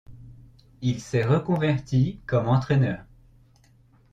Il s'est reconverti comme entraîneur.